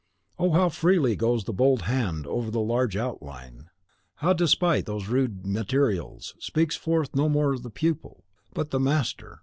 Oh, how freely goes the bold hand over the large outline! How, despite those rude materials, speaks forth no more the pupil, but the master!